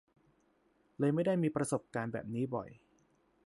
เลยไม่ได้มีประสบการณ์แบบนี้บ่อย